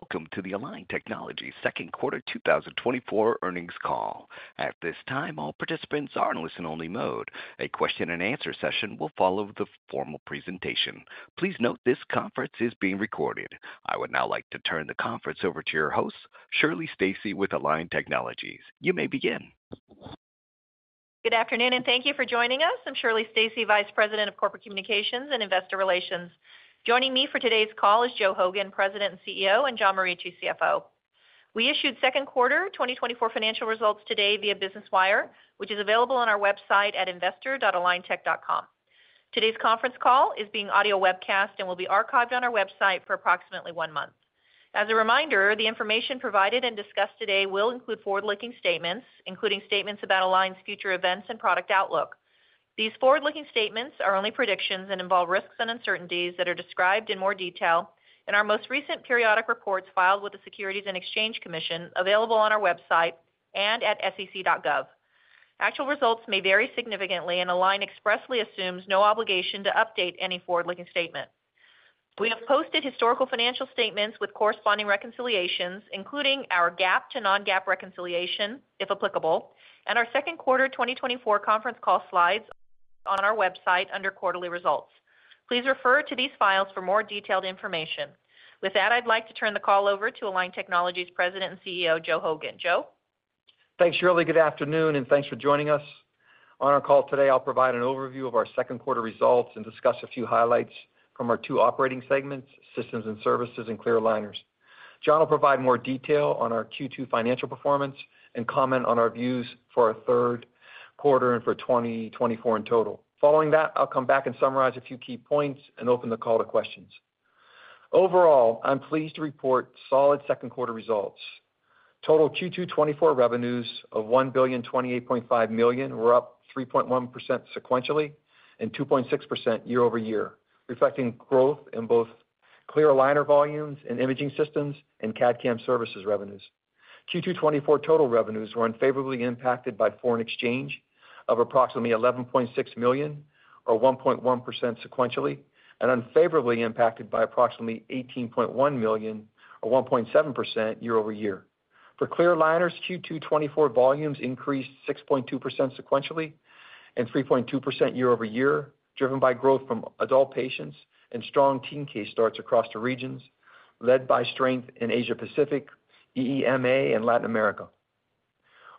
Welcome to the Align Technology second quarter 2024 earnings call. At this time, all participants are in listen-only mode. A question-and-answer session will follow the formal presentation. Please note, this conference is being recorded. I would now like to turn the conference over to your host, Shirley Stacy, with Align Technology. You may begin. Good afternoon, and thank you for joining us. I'm Shirley Stacy, Vice President of Corporate Communications and Investor Relations. Joining me for today's call is Joe Hogan, President and CEO, and John Morici, CFO. We issued second quarter 2024 financial results today via Business Wire, which is available on our website at investor.aligntech.com. Today's conference call is being audio webcast and will be archived on our website for approximately one month. As a reminder, the information provided and discussed today will include forward-looking statements, including statements about Align's future events and product outlook. These forward-looking statements are only predictions and involve risks and uncertainties that are described in more detail in our most recent periodic reports filed with the Securities and Exchange Commission, available on our website and at sec.gov. Actual results may vary significantly, and Align expressly assumes no obligation to update any forward-looking statement. We have posted historical financial statements with corresponding reconciliations, including our GAAP to non-GAAP reconciliation, if applicable, and our second quarter 2024 conference call slides on our website under Quarterly Results. Please refer to these files for more detailed information. With that, I'd like to turn the call over to Align Technology's President and CEO, Joe Hogan. Joe? Thanks, Shirley. Good afternoon, and thanks for joining us. On our call today, I'll provide an overview of our second quarter results and discuss a few highlights from our two operating segments, Systems and Services and clear aligners. John will provide more detail on our Q2 financial performance and comment on our views for our third quarter and for 2024 in total. Following that, I'll come back and summarize a few key points and open the call to questions. Overall, I'm pleased to report solid second quarter results. Total Q2 2024 revenues of $1,028.5 million were up 3.1% sequentially, and 2.6% year-over-year, reflecting growth in both clear aligner volumes and Imaging Systems and CAD/CAM Services revenues. Q2 2024 total revenues were unfavorably impacted by foreign exchange of approximately $11.6 million, or 1.1% sequentially, and unfavorably impacted by approximately $18.1 million, or 1.7% year-over-year. For clear aligners, Q2 2024 volumes increased 6.2% sequentially and 3.2% year-over-year, driven by growth from adult patients and strong teen case starts across the regions, led by strength in Asia Pacific, EMEA, and Latin America.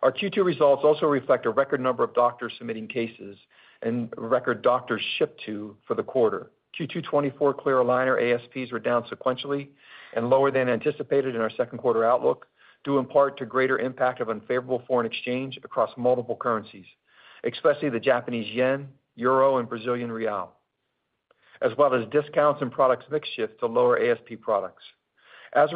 Our Q2 results also reflect a record number of doctors submitting cases and record doctors shipped to for the quarter. Q2 2024 clear aligner ASPs were down sequentially and lower than anticipated in our second quarter outlook, due in part to greater impact of unfavorable foreign exchange across multiple currencies, especially the Japanese yen, euro, and Brazilian real, as well as discounts and product mix shift to lower ASP products. As a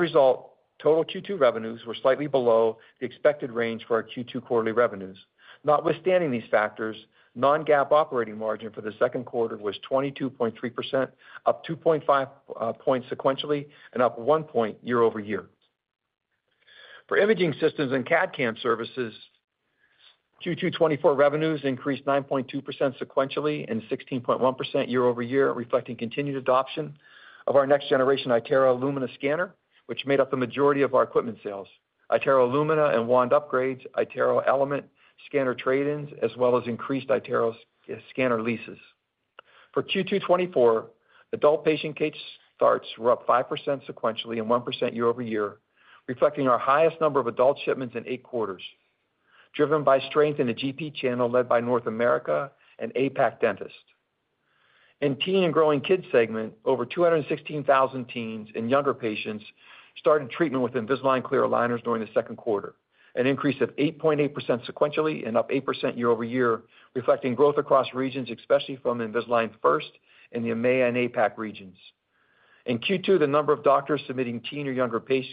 result, total Q2 revenues were slightly below the expected range for our Q2 quarterly revenues. Notwithstanding these factors, non-GAAP operating margin for the second quarter was 22.3%, up 2.5 points sequentially and up one point year-over-year. For imaging systems and CAD/CAM services, Q2 2024 revenues increased 9.2% sequentially and 16.1% year-over-year, reflecting continued adoption of our next generation iTero Lumina scanner, which made up the majority of our equipment sales. iTero Lumina and wand upgrades, iTero Element scanner trade-ins, as well as increased iTero scanner leases. For Q2 2024, adult patient case starts were up 5% sequentially and 1% year-over-year, reflecting our highest number of adult shipments in eight quarters, driven by strength in the GP channel, led by North America and APAC dentists. In teen and growing kids segment, over 216,000 teens and younger patients started treatment with Invisalign clear aligners during the second quarter, an increase of 8.8% sequentially and up 8% year-over-year, reflecting growth across regions, especially from Invisalign First in the EMEA and APAC regions. In Q2, the number of doctors submitting teen or younger case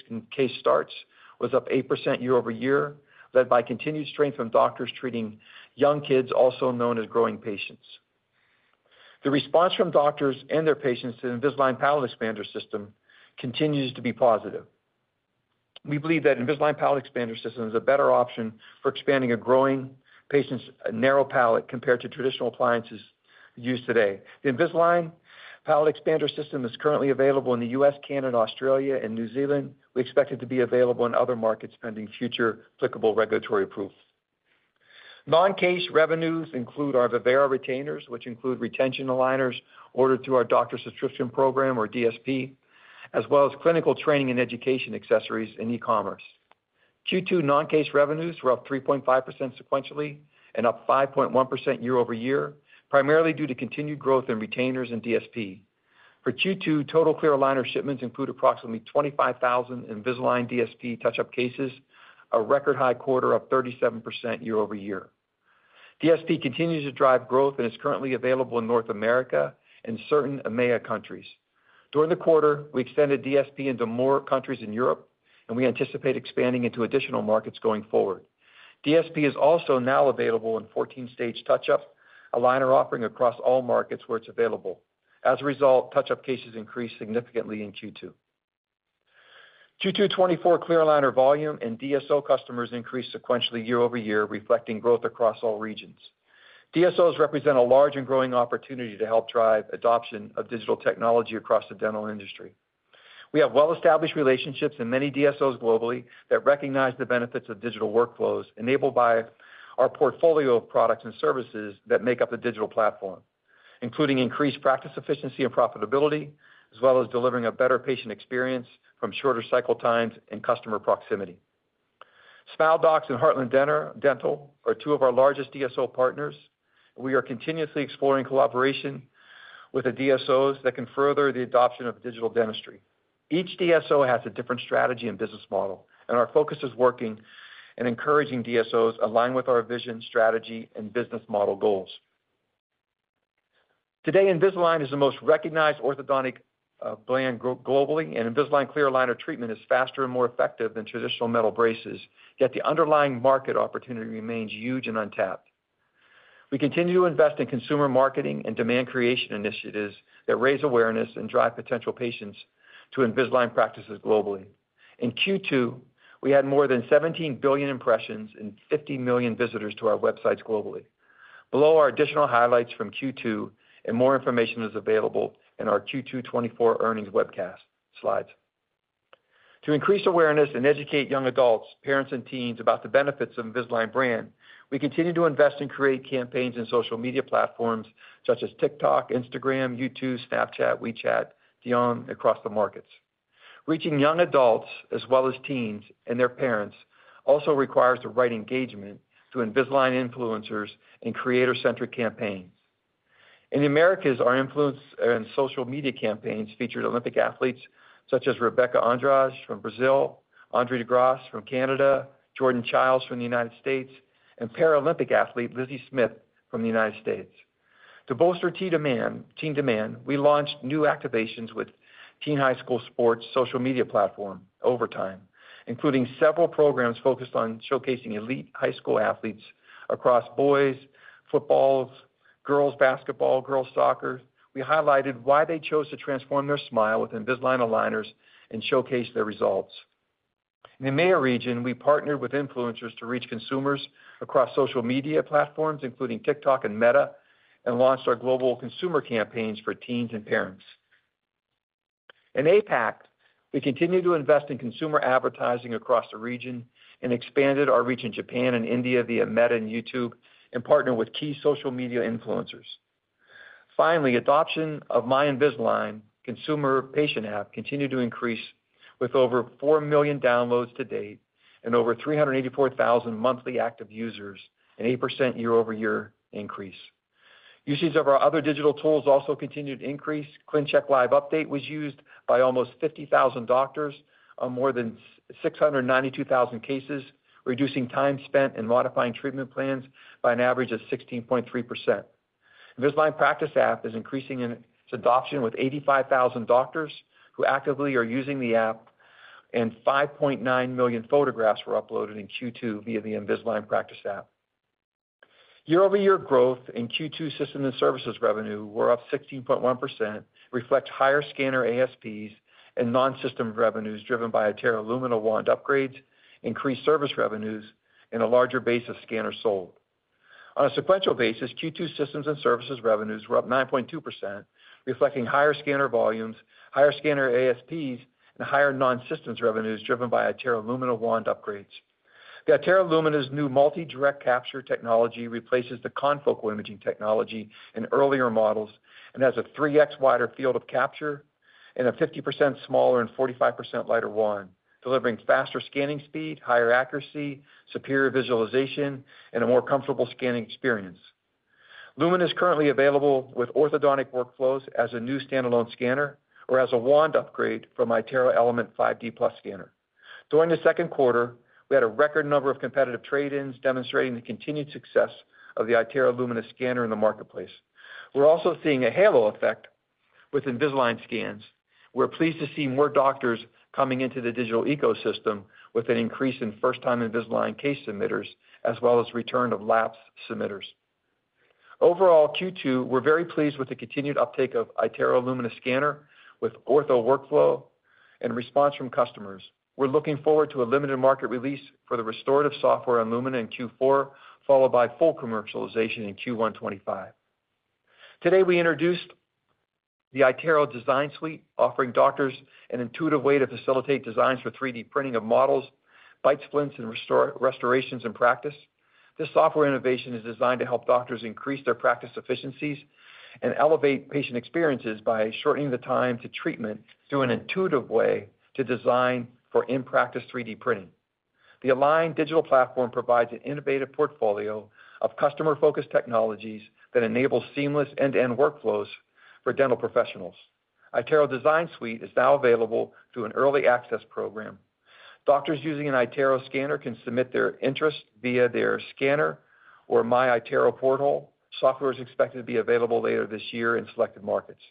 starts was up 8% year-over-year, led by continued strength from doctors treating young kids, also known as growing patients. The response from doctors and their patients to the Invisalign Palatal Expander System continues to be positive. We believe that Invisalign Palatal Expander System is a better option for expanding a growing patient's narrow palate compared to traditional appliances used today. The Invisalign Palatal Expander System is currently available in the U.S., Canada, Australia, and New Zealand. We expect it to be available in other markets pending future applicable regulatory approval. Non-case revenues include our Vivera retainers, which include retention aligners ordered through our Doctor Subscription Program or DSP, as well as clinical training and education accessories in e-commerce. Q2 non-case revenues were up 3.5% sequentially and up 5.1% year-over-year, primarily due to continued growth in retainers and DSP. For Q2, total clear aligner shipments include approximately 25,000 Invisalign DSP touch-up cases, a record high quarter of 37% year-over-year. DSP continues to drive growth and is currently available in North America and certain EMEA countries. During the quarter, we extended DSP into more countries in Europe, and we anticipate expanding into additional markets going forward. DSP is also now available in 14-stage touch-up aligner offering across all markets where it's available. As a result, touch-up cases increased significantly in Q2. Q2 2024 clear aligner volume and DSO customers increased sequentially year-over-year, reflecting growth across all regions. DSOs represent a large and growing opportunity to help drive adoption of digital technology across the dental industry. We have well-established relationships in many DSOs globally that recognize the benefits of digital workflows, enabled by our portfolio of products and services that make up the digital platform, including increased practice efficiency and profitability, as well as delivering a better patient experience from shorter cycle times and customer proximity. Smile Doctors and Heartland Dental are two of our largest DSO partners. We are continuously exploring collaboration with the DSOs that can further the adoption of digital dentistry. Each DSO has a different strategy and business model, and our focus is working and encouraging DSOs align with our vision, strategy, and business model goals. Today, Invisalign is the most recognized orthodontic brand globally, and Invisalign clear aligner treatment is faster and more effective than traditional metal braces, yet the underlying market opportunity remains huge and untapped. We continue to invest in consumer marketing and demand creation initiatives that raise awareness and drive potential patients to Invisalign practices globally. In Q2, we had more than 17 billion impressions and 50 million visitors to our websites globally. Below are additional highlights from Q2, and more information is available in our Q2 2024 earnings webcast slides. To increase awareness and educate young adults, parents, and teens about the benefits of Invisalign brand, we continue to invest and create campaigns in social media platforms such as TikTok, Instagram, YouTube, Snapchat, WeChat, Douyin, across the markets. Reaching young adults as well as teens and their parents also requires the right engagement through Invisalign influencers and creator-centric campaigns. In the Americas, our influencer and social media campaigns featured Olympic athletes such as Rebeca Andrade from Brazil, Andre De Grasse from Canada, Jordan Chiles from the United States, and Paralympic athlete Lizzi Smith from the United States. To bolster teen demand, we launched new activations with teen high school sports social media platform, Overtime, including several programs focused on showcasing elite high school athletes across boys' football, girls' basketball, girls' soccer. We highlighted why they chose to transform their smile with Invisalign aligners and showcase their results. In the EMEA region, we partnered with influencers to reach consumers across social media platforms, including TikTok and Meta, and launched our global consumer campaigns for teens and parents. In APAC, we continued to invest in consumer advertising across the region and expanded our reach in Japan and India via Meta and YouTube, and partnered with key social media influencers. Finally, adoption of My Invisalign consumer patient app continued to increase, with over four million downloads to date and over 384,000 monthly active users, an 8% year-over-year increase. Usage of our other digital tools also continued to increase. ClinCheck Live Update was used by almost 50,000 doctors on more than six hundred and ninety-two thousand cases, reducing time spent in modifying treatment plans by an average of 16.3%. Invisalign Practice App is increasing in its adoption, with 85,000 doctors who actively are using the app, and 5.9 million photographs were uploaded in Q2 via the Invisalign Practice App. Year-over-year growth in Q2 Systems and Services revenue were up 16.1%, reflect higher scanner ASPs and non-system revenues driven by iTero Lumina wand upgrades, increased service revenues, and a larger base of scanners sold. On a sequential basis, Q2 Systems and Services revenues were up 9.2%, reflecting higher scanner volumes, higher scanner ASPs, and higher non-systems revenues driven by iTero Lumina wand upgrades. The iTero Lumina's new Multi-Direct Capture technology replaces the confocal imaging technology in earlier models and has a 3x wider field of capture and a 50% smaller and 45% lighter wand, delivering faster scanning speed, higher accuracy, superior visualization, and a more comfortable scanning experience. Lumina is currently available with orthodontic workflows as a new standalone scanner or as a wand upgrade from iTero Element 5D Plus scanner. During the second quarter, we had a record number of competitive trade-ins, demonstrating the continued success of the iTero Lumina scanner in the marketplace. We're also seeing a halo effect with Invisalign scans. We're pleased to see more doctors coming into the digital ecosystem, with an increase in first-time Invisalign case submitters, as well as return of lapsed submitters. Overall, Q2, we're very pleased with the continued uptake of iTero Lumina scanner with ortho workflow and response from customers. We're looking forward to a limited market release for the restorative software on Lumina in Q4, followed by full commercialization in Q1 2025. Today, we introduced the iTero Design Suite, offering doctors an intuitive way to facilitate designs for 3D printing of models, bite splints, and restorations in practice. This software innovation is designed to help doctors increase their practice efficiencies and elevate patient experiences by shortening the time to treatment through an intuitive way to design for in-practice 3D printing. The Align digital platform provides an innovative portfolio of customer-focused technologies that enable seamless end-to-end workflows for dental professionals. iTero Design Suite is now available through an early access program. Doctors using an iTero scanner can submit their interest via their scanner or MyiTero portal. Software is expected to be available later this year in selected markets.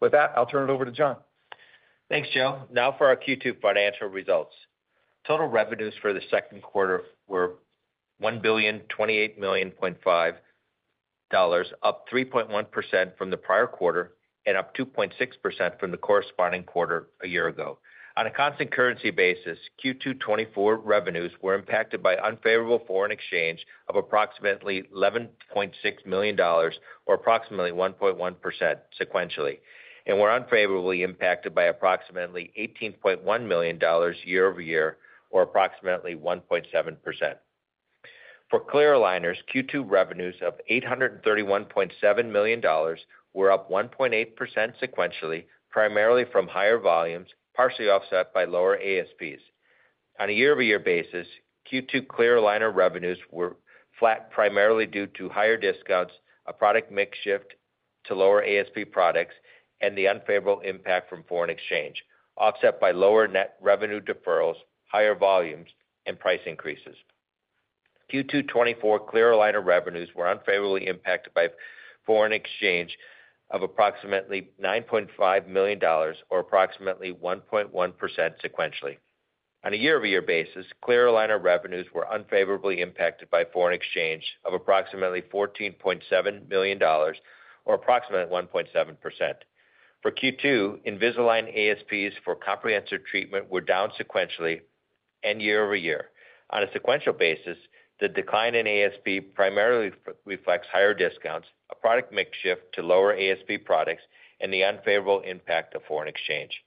With that, I'll turn it over to John. Thanks, Joe. Now for our Q2 financial results. Total revenues for the second quarter were $1,028.5 million, up 3.1% from the prior quarter and up 2.6% from the corresponding quarter a year ago. On a constant currency basis, Q2 2024 revenues were impacted by unfavorable foreign exchange of approximately $11.6 million, or approximately 1.1% sequentially, and were unfavorably impacted by approximately $18.1 million year-over-year, or approximately 1.7%. For clear aligners, Q2 revenues of $831.7 million were up 1.8% sequentially, primarily from higher volumes, partially offset by lower ASPs. On a year-over-year basis, Q2 clear aligner revenues were flat, primarily due to higher discounts, a product mix shift to lower ASP products, and the unfavorable impact from foreign exchange, offset by lower net revenue deferrals, higher volumes, and price increases. Q2 2024 clear aligner revenues were unfavorably impacted by foreign exchange of approximately $9.5 million, or approximately 1.1% sequentially. On a year-over-year basis, clear aligner revenues were unfavorably impacted by foreign exchange of approximately $14.7 million, or approximately 1.7%. For Q2, Invisalign ASPs for comprehensive treatment were down sequentially and year-over-year. On a sequential basis, the decline in ASP primarily reflects higher discounts, a product mix shift to lower ASP products, and the unfavorable impact of foreign exchange.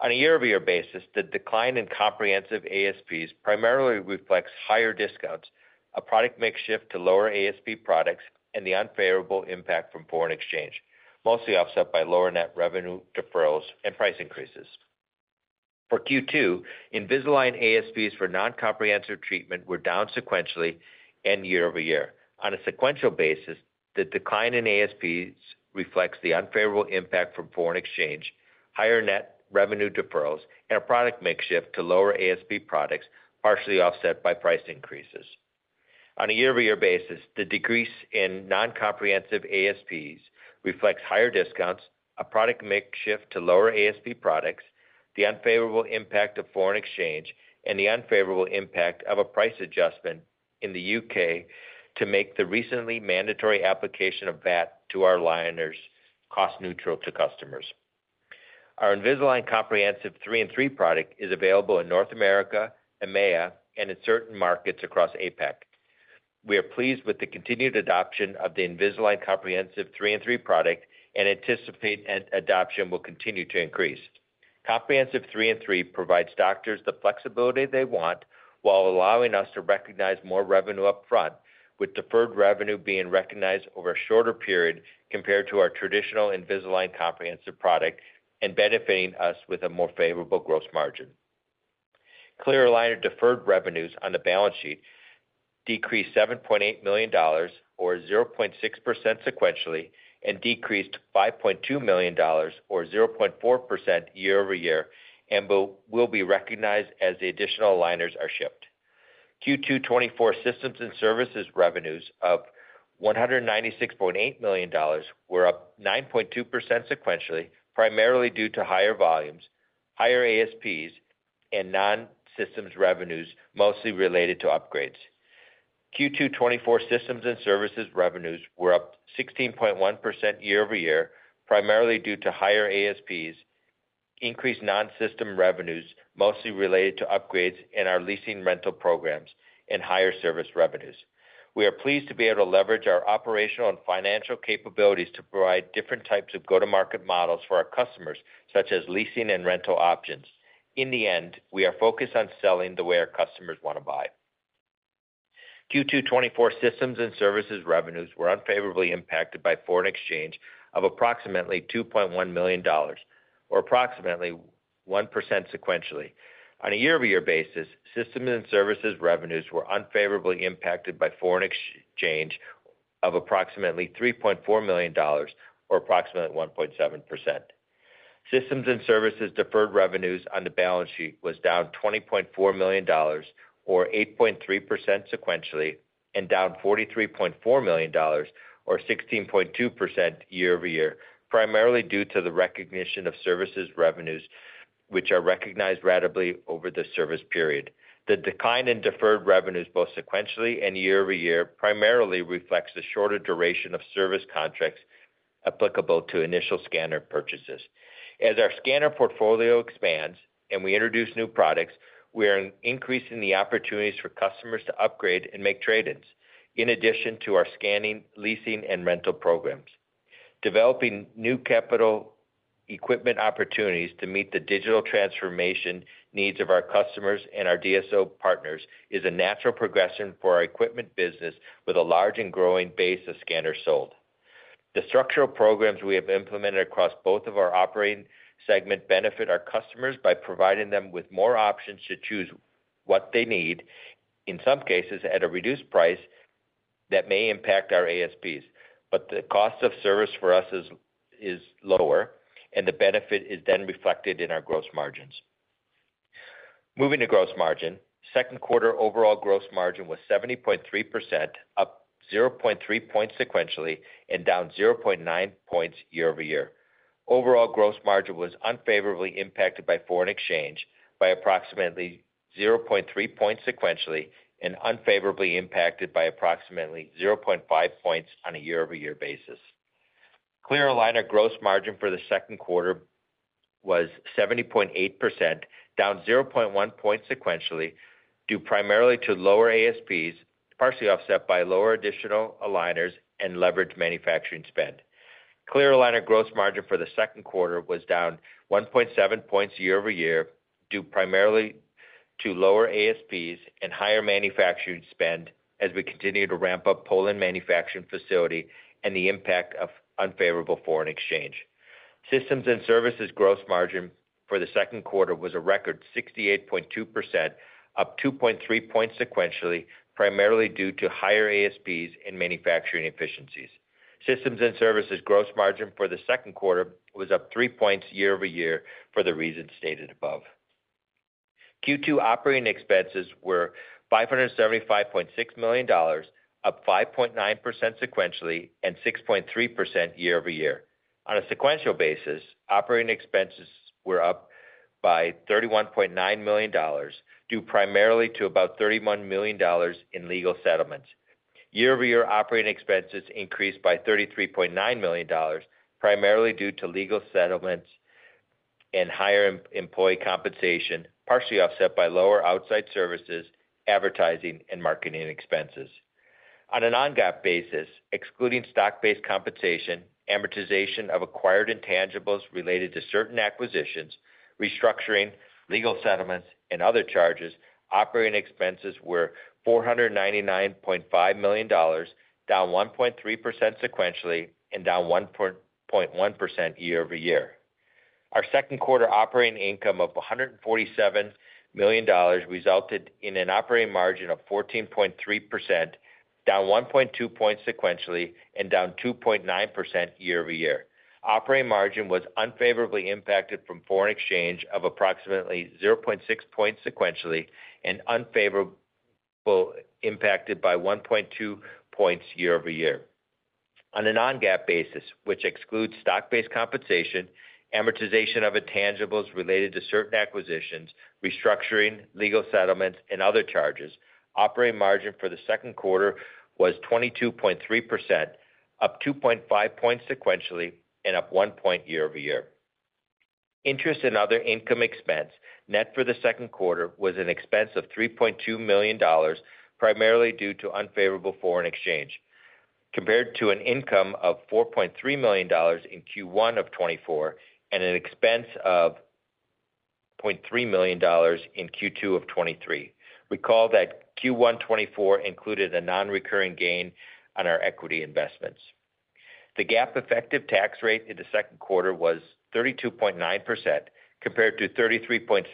On a year-over-year basis, the decline in comprehensive ASPs primarily reflects higher discounts, a product mix shift to lower ASP products, and the unfavorable impact from foreign exchange, mostly offset by lower net revenue deferrals and price increases. For Q2, Invisalign ASPs for non-comprehensive treatment were down sequentially and year-over-year. On a sequential basis, the decline in ASPs reflects the unfavorable impact from foreign exchange, higher net revenue deferrals, and a product mix shift to lower ASP products, partially offset by price increases. On a year-over-year basis, the decrease in non-comprehensive ASPs reflects higher discounts, a product mix shift to lower ASP products, the unfavorable impact of foreign exchange, and the unfavorable impact of a price adjustment in the U.K. to make the recently mandatory application of VAT to our aligners cost neutral to customers. Our Invisalign Comprehensive 3-and-3 product is available in North America, EMEA, and in certain markets across APAC. We are pleased with the continued adoption of the Invisalign Comprehensive 3-and-3 product and anticipate adoption will continue to increase. Comprehensive 3-and-3 provides doctors the flexibility they want while allowing us to recognize more revenue upfront, with deferred revenue being recognized over a shorter period compared to our traditional Invisalign Comprehensive product and benefiting us with a more favorable gross margin. Clear aligner deferred revenues on the balance sheet decreased $7.8 million, or 0.6% sequentially, and decreased to $5.2 million or 0.4% year-over-year, and will be recognized as the additional aligners are shipped. Q2 2024 Systems and Services revenues of $196.8 million were up 9.2% sequentially, primarily due to higher volumes, higher ASPs, and non-systems revenues, mostly related to upgrades. Q2 2024 Systems and Services revenues were up 16.1% year-over-year, primarily due to higher ASPs, increased non-system revenues, mostly related to upgrades in our leasing rental programs and higher service revenues. We are pleased to be able to leverage our operational and financial capabilities to provide different types of go-to-market models for our customers, such as leasing and rental options. In the end, we are focused on selling the way our customers want to buy. Q2 2024 Systems and Services revenues were unfavorably impacted by foreign exchange of approximately $2.1 million, or approximately 1% sequentially. On a year-over-year basis, Systems and Services revenues were unfavorably impacted by foreign exchange of approximately $3.4 million, or approximately 1.7%. Systems and Services deferred revenues on the balance sheet was down $20.4 million, or 8.3% sequentially, and down $43.4 million or 16.2% year-over-year, primarily due to the recognition of services revenues, which are recognized ratably over the service period. The decline in deferred revenues, both sequentially and year-over-year, primarily reflects the shorter duration of service contracts applicable to initial scanner purchases. As our scanner portfolio expands and we introduce new products, we are increasing the opportunities for customers to upgrade and make trade-ins, in addition to our scanning, leasing, and rental programs. Developing new capital equipment opportunities to meet the digital transformation needs of our customers and our DSO partners is a natural progression for our equipment business with a large and growing base of scanners sold. The structural programs we have implemented across both of our operating segment benefit our customers by providing them with more options to choose what they need, in some cases, at a reduced price that may impact our ASPs. But the cost of service for us is lower, and the benefit is then reflected in our gross margins. Moving to gross margin. Second quarter overall gross margin was 70.3%, up 0.3 points sequentially and down 0.9 points year-over-year. Overall, gross margin was unfavorably impacted by foreign exchange by approximately 0.3 points sequentially, and unfavorably impacted by approximately 0.5 points on a year-over-year basis. Clear aligner gross margin for the second quarter was 70.8%, down 0.1 point sequentially, due primarily to lower ASPs, partially offset by lower additional aligners and leveraged manufacturing spend. Clear aligner gross margin for the second quarter was down 1.7 points year-over-year, due primarily to lower ASPs and higher manufacturing spend as we continue to ramp up Poland manufacturing facility and the impact of unfavorable foreign exchange. Systems and Services gross margin for the second quarter was a record 68.2%, up 2.3 points sequentially, primarily due to higher ASPs and manufacturing efficiencies. Systems and Services gross margin for the second quarter was up three points year-over-year for the reasons stated above. Q2 operating expenses were $575.6 million, up 5.9% sequentially and 6.3% year-over-year. On a sequential basis, operating expenses were up by $31.9 million, due primarily to about $31 million in legal settlements. Year-over-year operating expenses increased by $33.9 million, primarily due to legal settlements and higher employee compensation, partially offset by lower outside services, advertising, and marketing expenses. On a non-GAAP basis, excluding stock-based compensation, amortization of acquired intangibles related to certain acquisitions, restructuring, legal settlements, and other charges, operating expenses were $499.5 million, down 1.3% sequentially, and down 1.1% year-over-year. Our second quarter operating income of $147 million resulted in an operating margin of 14.3%, down 1.2 points sequentially and down 2.9% year-over-year. Operating margin was unfavorably impacted from foreign exchange of approximately 0.6 points sequentially, and unfavorably impacted by 1.2 points year-over-year. On a non-GAAP basis, which excludes stock-based compensation, amortization of intangibles related to certain acquisitions, restructuring, legal settlements, and other charges, operating margin for the second quarter was 22.3%, up 2.5 points sequentially and up one point year-over-year. Interest and other income expense, net for the second quarter, was an expense of $3.2 million, primarily due to unfavorable foreign exchange, compared to an income of $4.3 million in Q1 of 2024, and an expense of $0.3 million in Q2 of 2023. Recall that Q1 2024 included a non-recurring gain on our equity investments. The GAAP effective tax rate in the second quarter was 32.9%, compared to 33.7%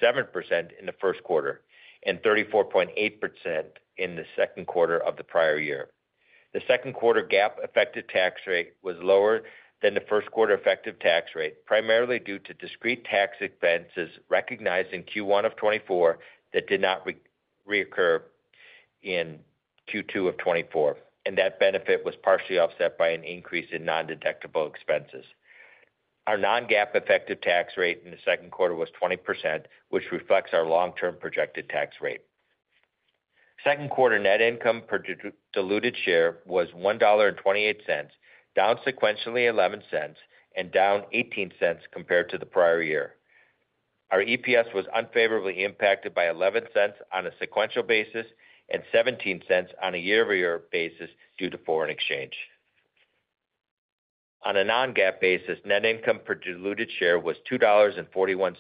in the first quarter, and 34.8% in the second quarter of the prior year. The second quarter GAAP effective tax rate was lower than the first quarter effective tax rate, primarily due to discrete tax expenses recognized in Q1 of 2024 that did not reoccur in Q2 of 2024, and that benefit was partially offset by an increase in non-deductible expenses. Our non-GAAP effective tax rate in the second quarter was 20%, which reflects our long-term projected tax rate. Second quarter net income per diluted share was $1.28, down sequentially $0.11 and down $0.18 compared to the prior year. Our EPS was unfavorably impacted by $0.11 on a sequential basis and $0.17 on a year-over-year basis due to foreign exchange. On a non-GAAP basis, net income per diluted share was $2.41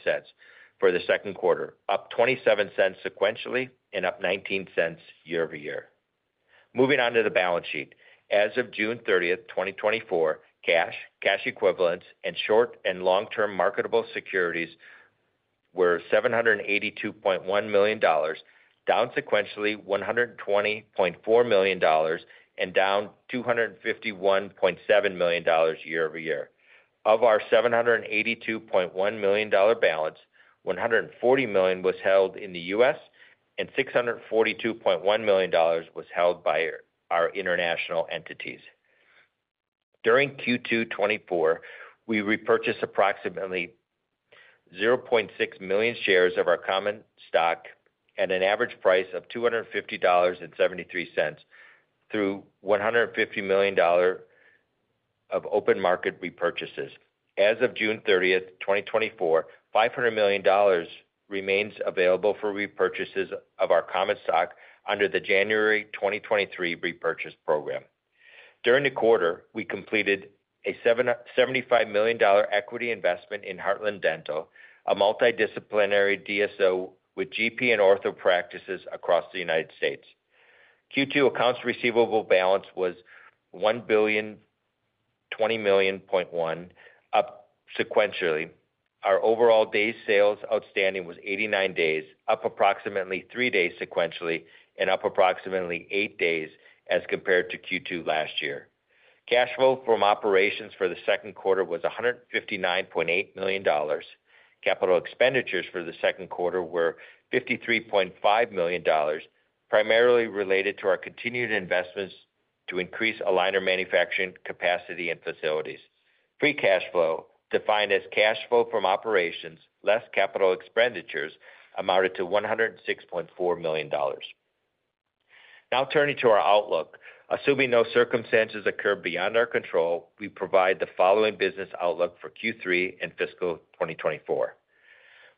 for the second quarter, up $0.27 sequentially and up $0.19 year-over-year. Moving on to the balance sheet. As of June 30, 2024, cash, cash equivalents, and short and long-term marketable securities were $782.1 million, down sequentially $120.4 million, and down $251.7 million year-over-year. Of our $782.1 million balance, $140 million was held in the U.S., and $642.1 million was held by our international entities. During Q2 2024, we repurchased approximately 0.6 million shares of our common stock at an average price of $250.73, through $150 million of open market repurchases. As of June 30, 2024, $500 million remains available for repurchases of our common stock under the January 2023 repurchase program. During the quarter, we completed a $75 million equity investment in Heartland Dental, a multidisciplinary DSO with GP and ortho practices across the United States. Q2 accounts receivable balance was $1,020.1 million, up sequentially. Our overall days sales outstanding was 89 days, up approximately three days sequentially and up approximately eight days as compared to Q2 last year. Cash flow from operations for the second quarter was $159.8 million.... Capital expenditures for the second quarter were $53.5 million, primarily related to our continued investments to increase aligner manufacturing capacity and facilities. Free cash flow, defined as cash flow from operations, less capital expenditures, amounted to $106.4 million. Now turning to our outlook. Assuming no circumstances occur beyond our control, we provide the following business outlook for Q3 and fiscal year 2024.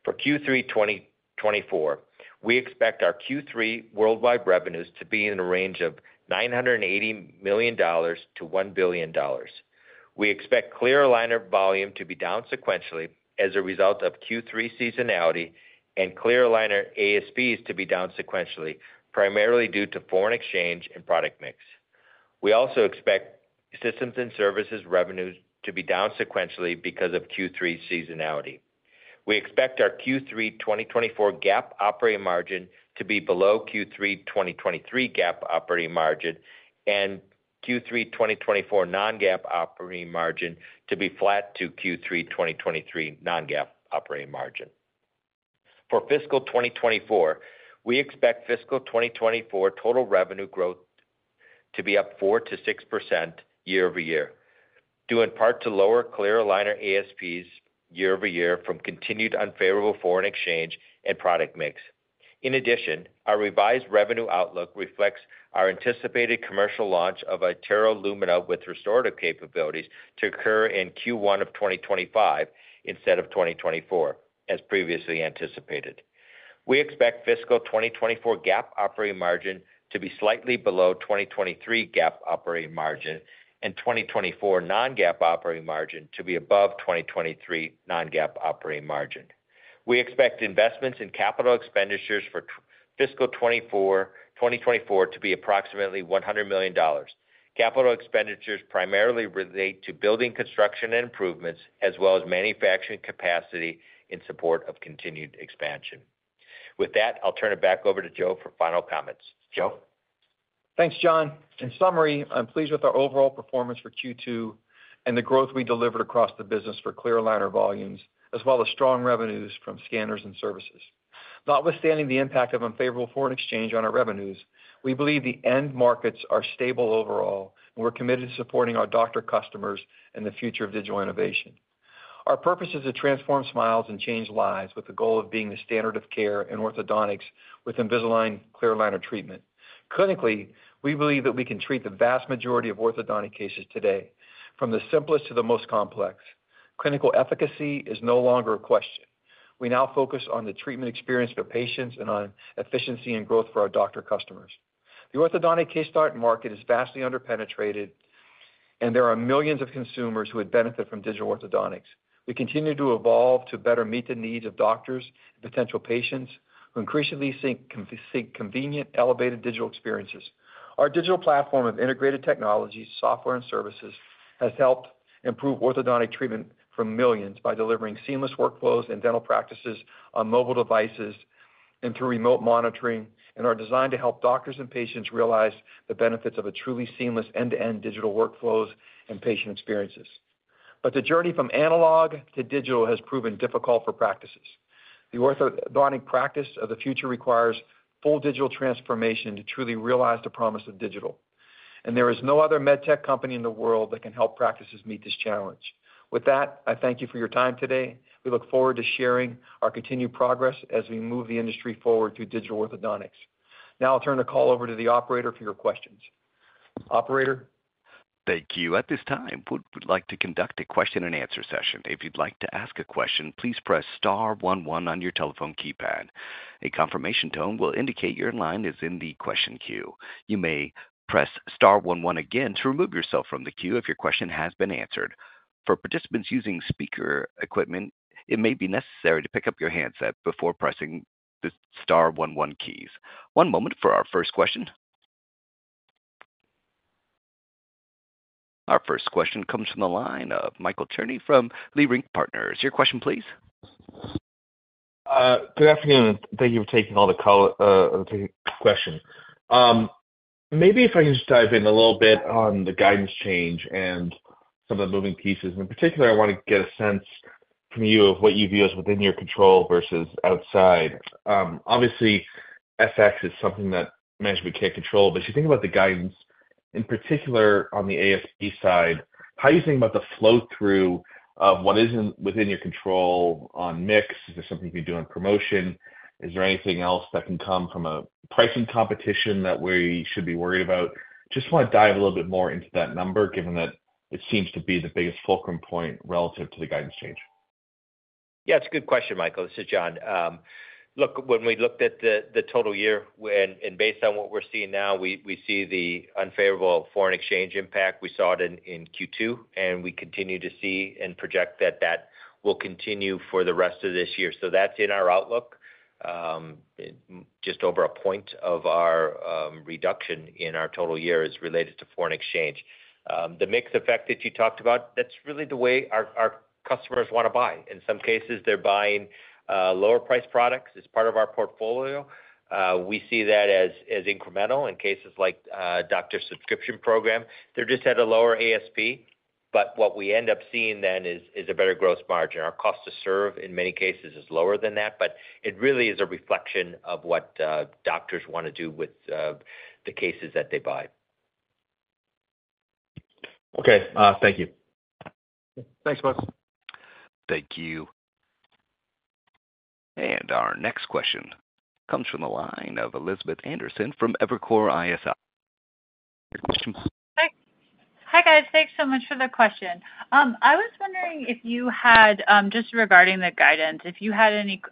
For Q3 2024, we expect our Q3 worldwide revenues to be in a range of $980 million-$1 billion. We expect clear aligner volume to be down sequentially as a result of Q3 seasonality and clear aligner ASPs to be down sequentially, primarily due to foreign exchange and product mix. We also expect Systems and Services revenues to be down sequentially because of Q3 seasonality. We expect our Q3 2024 GAAP operating margin to be below Q3 2023 GAAP operating margin, and Q3 2024 non-GAAP operating margin to be flat to Q3 2023 non-GAAP operating margin. For fiscal year 2024, we expect fiscal year 2024 total revenue growth to be up 4%-6% year-over-year, due in part to lower clear aligner ASPs year-over-year from continued unfavorable foreign exchange and product mix. In addition, our revised revenue outlook reflects our anticipated commercial launch of iTero Lumina with restorative capabilities to occur in Q1 of 2025 instead of 2024, as previously anticipated. We expect fiscal year 2024 GAAP operating margin to be slightly below 2023 GAAP operating margin, and 2024 non-GAAP operating margin to be above 2023 non-GAAP operating margin. We expect investments in capital expenditures for fiscal year 2024, 2024 to be approximately $100 million. Capital expenditures primarily relate to building construction and improvements, as well as manufacturing capacity in support of continued expansion. With that, I'll turn it back over to Joe for final comments. Joe? Thanks, John. In summary, I'm pleased with our overall performance for Q2 and the growth we delivered across the business for clear aligner volumes, as well as strong revenues from scanners and services. Notwithstanding the impact of unfavorable foreign exchange on our revenues, we believe the end markets are stable overall, and we're committed to supporting our doctor customers and the future of digital innovation. Our purpose is to transform smiles and change lives, with the goal of being the standard of care in orthodontics with Invisalign clear aligner treatment. Clinically, we believe that we can treat the vast majority of orthodontic cases today, from the simplest to the most complex. Clinical efficacy is no longer a question. We now focus on the treatment experience for patients and on efficiency and growth for our doctor customers. The orthodontic case start market is vastly underpenetrated, and there are millions of consumers who would benefit from digital orthodontics. We continue to evolve to better meet the needs of doctors and potential patients, who increasingly seek convenient, elevated digital experiences. Our digital platform of integrated technologies, software, and services has helped improve orthodontic treatment for millions by delivering seamless workflows and dental practices on mobile devices and through remote monitoring, and are designed to help doctors and patients realize the benefits of a truly seamless end-to-end digital workflows and patient experiences. But the journey from analog to digital has proven difficult for practices. The orthodontic practice of the future requires full digital transformation to truly realize the promise of digital, and there is no other med tech company in the world that can help practices meet this challenge. With that, I thank you for your time today. We look forward to sharing our continued progress as we move the industry forward through digital orthodontics. Now I'll turn the call over to the operator for your questions. Operator? Thank you. At this time, we would like to conduct a question-and-answer session. If you'd like to ask a question, please press star one one on your telephone keypad. A confirmation tone will indicate your line is in the question queue. You may press star one one again to remove yourself from the queue if your question has been answered. For participants using speaker equipment, it may be necessary to pick up your handset before pressing the star one one keys. One moment for our first question. Our first question comes from the line of Michael Cherny from Leerink Partners. Your question please. Good afternoon, and thank you for taking all the call, taking the question. Maybe if I can just dive in a little bit on the guidance change and some of the moving pieces. In particular, I want to get a sense from you of what you view as within your control versus outside. Obviously, FX is something that management can't control, but as you think about the guidance, in particular on the ASP side, how are you thinking about the flow-through of what isn't within your control on mix? Is this something you can do on promotion? Is there anything else that can come from a pricing competition that we should be worried about? Just want to dive a little bit more into that number, given that it seems to be the biggest fulcrum point relative to the guidance change. Yeah, it's a good question, Michael. This is John. Look, when we looked at the total year, and based on what we're seeing now, we see the unfavorable foreign exchange impact. We saw it in Q2, and we continue to see and project that that will continue for the rest of this year. So that's in our outlook. Just over a point of our reduction in our total year is related to foreign exchange. The mix effect that you talked about, that's really the way our customers want to buy. In some cases, they're buying lower price products as part of our portfolio. We see that as incremental in cases like Doctor Subscription Program. They're just at a lower ASP, but what we end up seeing then is a better gross margin. Our cost to serve, in many cases, is lower than that, but it really is a reflection of what, doctors wanna do with, the cases that they buy. Okay. Thank you. Thanks, folks. Thank you. And our next question comes from the line of Elizabeth Anderson from Evercore ISI. Your question? Hi. Hi, guys. Thanks so much for the question. I was wondering if you had just regarding the guidance, if you had any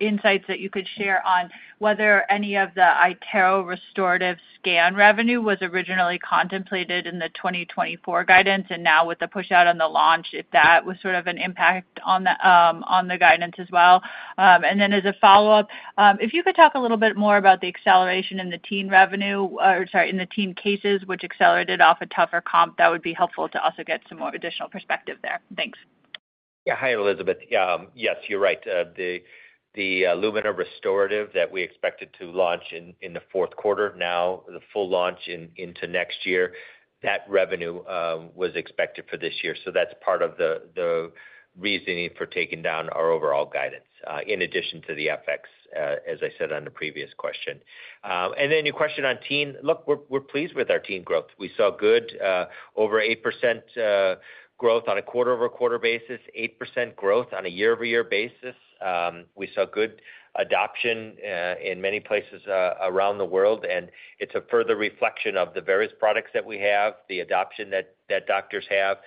insights that you could share on whether any of the iTero restorative scan revenue was originally contemplated in the 2024 guidance, and now with the push-out on the launch, if that was sort of an impact on the, on the guidance as well? And then as a follow-up, if you could talk a little bit more about the acceleration in the teen revenue, or sorry, in the teen cases, which accelerated off a tougher comp, that would be helpful to also get some more additional perspective there. Thanks. Yeah. Hi, Elizabeth. Yes, you're right. The Lumina restorative that we expected to launch in the fourth quarter, now the full launch into next year, that revenue was expected for this year. So that's part of the reasoning for taking down our overall guidance, in addition to the FX, as I said on the previous question. And then your question on teen. Look, we're pleased with our teen growth. We saw good over 8% growth on a quarter-over-quarter basis, 8% growth on a year-over-year basis. We saw good adoption in many places around the world, and it's a further reflection of the various products that we have, the adoption that doctors have.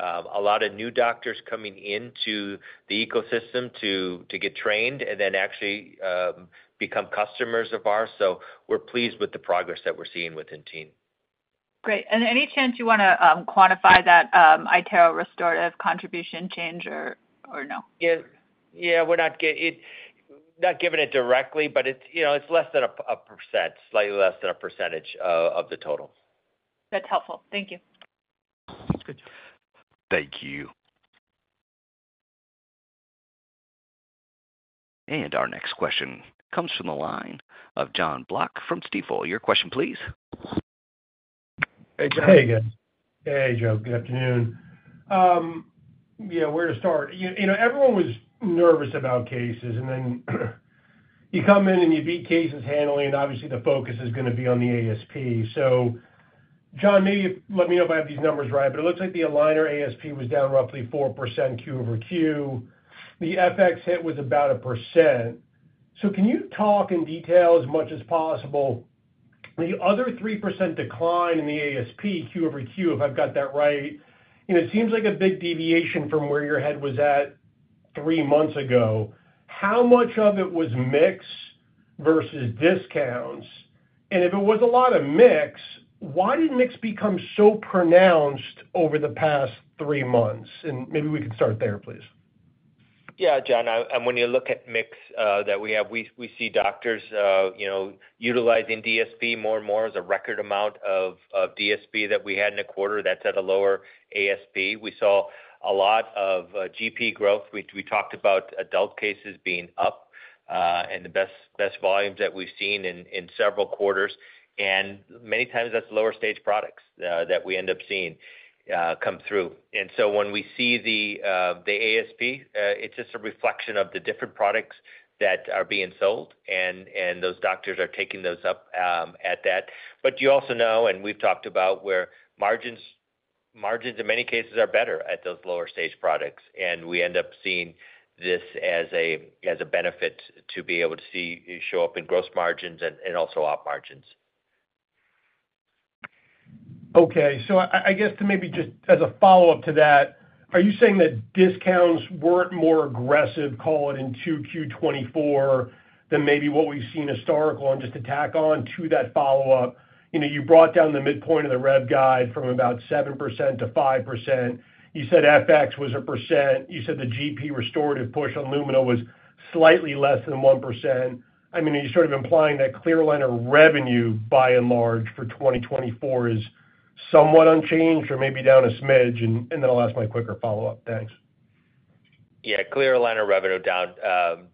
A lot of new doctors coming into the ecosystem to get trained and then actually become customers of ours. So we're pleased with the progress that we're seeing within teen. Great. And any chance you wanna quantify that iTero restorative contribution change or no? Yeah. Yeah, we're not giving it directly, but it's, you know, it's less than 1%, slightly less than 1% of the total. That's helpful. Thank you. Thank you. And our next question comes from the line of Jon Block from Stifel. Your question, please. Hey, Jon. Hey, guys. Hey, Joe. Good afternoon. Yeah, where to start? You, you know, everyone was nervous about cases, and then you come in and you beat cases handling, and obviously, the focus is gonna be on the ASP. So, John, maybe let me know if I have these numbers right, but it looks like the aligner ASP was down roughly 4% Q-over-Q. The FX hit was about 1%. So can you talk in detail as much as possible, the other 3% decline in the ASP, Q-over-Q, if I've got that right? You know, it seems like a big deviation from where your head was at three months ago. How much of it was mix versus discounts? And if it was a lot of mix, why did mix become so pronounced over the past three months? And maybe we could start there, please. Yeah, John, and when you look at mix that we have, we see doctors, you know, utilizing DSP more and more as a record amount of DSP that we had in a quarter that's at a lower ASP. We saw a lot of GP growth. We talked about adult cases being up, and the best volumes that we've seen in several quarters, and many times that's lower stage products that we end up seeing come through. And so when we see the ASP, it's just a reflection of the different products that are being sold, and those doctors are taking those up at that. But you also know, and we've talked about, where margins in many cases are better at those lower stage products, and we end up seeing this as a benefit to be able to see show up in gross margins and also op margins. Okay. So I guess to maybe just as a follow-up to that, are you saying that discounts weren't more aggressive, call it in 2Q 2024, than maybe what we've seen historically? And just to tack on to that follow-up, you know, you brought down the midpoint of the rev guide from about 7% to 5%. You said FX was 1%. You said the GP restorative push on Lumina was slightly less than 1%. I mean, are you sort of implying that clear aligner revenue, by and large, for 2024, is somewhat unchanged or maybe down a smidge? And then I'll ask my quicker follow-up. Thanks. Yeah, clear aligner revenue down,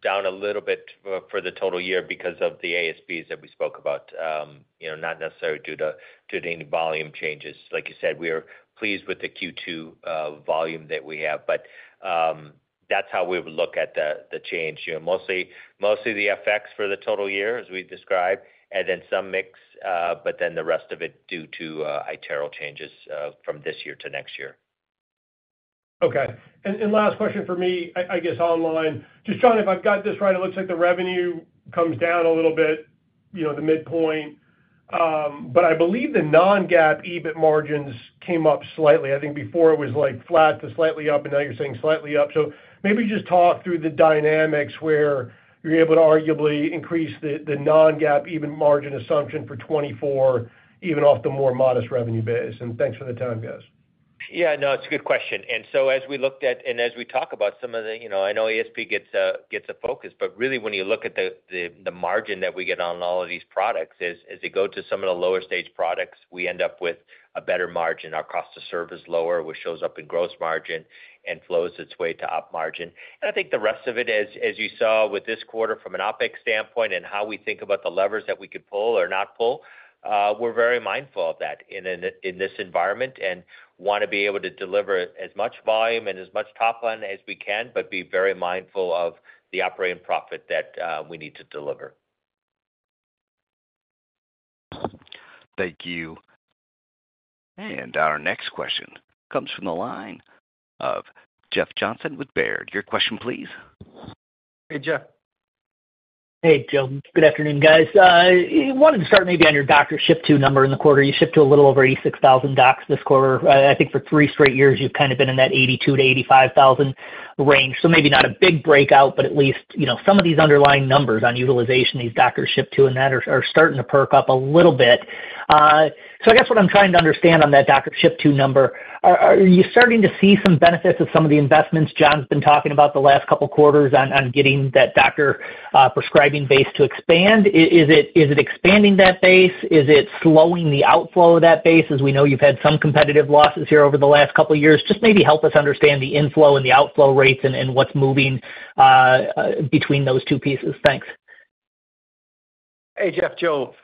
down a little bit for the total year because of the ASPs that we spoke about. You know, not necessarily due to, due to any volume changes. Like you said, we are pleased with the Q2 volume that we have, but that's how we would look at the, the change. You know, mostly, mostly the effects for the total year, as we've described, and then some mix, but then the rest of it due to iTero changes from this year to next year. Okay. And last question for me, I guess, online. Just, John, if I've got this right, it looks like the revenue comes down a little bit, you know, the midpoint, but I believe the non-GAAP EBIT margins came up slightly. I think before it was, like, flat to slightly up, and now you're saying slightly up. So maybe just talk through the dynamics where you're able to arguably increase the non-GAAP EBIT margin assumption for 2024, even off the more modest revenue base. And thanks for the time, guys.... Yeah, no, it's a good question. And so as we looked at, and as we talk about some of the, you know, I know ASP gets a focus, but really, when you look at the margin that we get on all of these products, as you go to some of the lower stage products, we end up with a better margin. Our cost to serve is lower, which shows up in gross margin and flows its way to op margin. I think the rest of it, as you saw with this quarter from an OpEx standpoint and how we think about the levers that we could pull or not pull, we're very mindful of that in this environment and want to be able to deliver as much volume and as much top line as we can, but be very mindful of the operating profit that we need to deliver. Thank you. Our next question comes from the line of Jeff Johnson with Baird. Your question, please. Hey, Jeff. Hey, Joe. Good afternoon, guys. I wanted to start maybe on your doctor ship-to number in the quarter. You shipped to a little over 86,000 docs this quarter. I think for three straight years, you've kind of been in that 82,000-85,000 range. So maybe not a big breakout, but at least, you know, some of these underlying numbers on utilization, these doctors shipped to and that are, are starting to perk up a little bit. So I guess what I'm trying to understand on that doctor ship-to number, are you starting to see some benefits of some of the investments John's been talking about the last couple of quarters on getting that doctor prescribing base to expand? Is it expanding that base? Is it slowing the outflow of that base, as we know you've had some competitive losses here over the last couple of years? Just maybe help us understand the inflow and the outflow rates and, and what's moving, between those two pieces. Thanks. Hey, Jeff. Joe,